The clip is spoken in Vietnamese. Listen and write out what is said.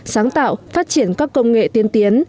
sáng tạo phát triển các công nghệ tiên tiến